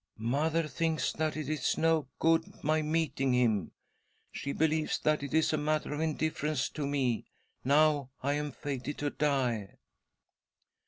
" Mother thinks that it is no good my meeting, him. She believes that it is a matter of indifference to me now I am fated to die."